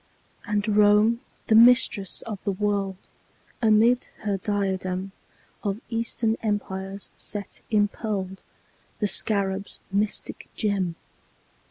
And Rome, the Mistress of the World, Amid her diadem Of Eastern Empires set impearled The Scarab's mystic gem.